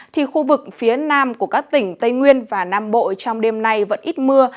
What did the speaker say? thì khu vực phía nam của các tỉnh tây nguyên và nam bộ trong đêm nay vẫn ít mưa